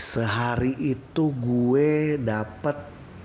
sehari itu gue dapet